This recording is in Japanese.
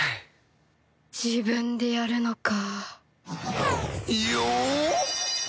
自分でやるのか